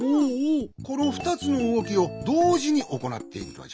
このふたつのうごきをどうじにおこなっているのじゃ。